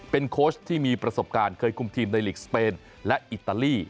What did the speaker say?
เป็นโค้ชที่มีประสบการณ์เคยคุมทีมในลีกสเปนและอิตาลี